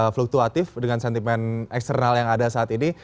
fluktuatif dengan sentimen eksternal yang ada saat ini